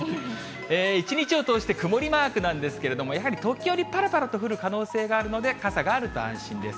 一日を通して曇りマークなんですけれども、やはり時折ぱらぱらと降る可能性があるので、傘があると安心です。